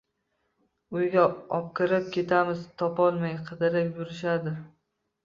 Uyga opkirib ketamiz, topolmay qidirib yurishadi.